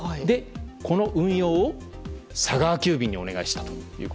この運用を佐川急便にお願いしたと。